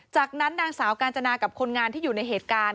จากนั้นนางสาวกาญจนากับคนงานที่อยู่ในเหตุการณ์